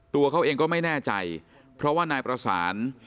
ตัวเขาเองก็ไม่แน่ใจเพราะว่านายประสาน